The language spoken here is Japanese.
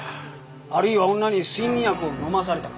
あるいは女に睡眠薬を飲まされたか。